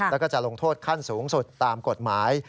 แล้วก็จะลงโทษขั้นสูงสุดตามกฎหมาย